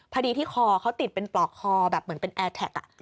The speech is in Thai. พอดีที่คอเขาติดเป็นปลอกคอแบบเหมือนเป็นแอร์แท็ก